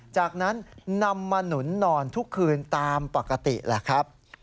จากนั้นนำมาหนุนนอนทุกคืนตามปกติแหละครับ